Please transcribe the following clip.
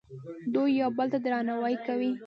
دوی یو بل ته درناوی کوي.